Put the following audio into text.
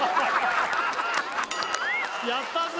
やったぜ！